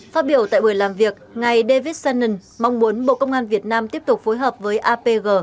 phát biểu tại buổi làm việc ngài david sonnen mong muốn bộ công an việt nam tiếp tục phối hợp với apg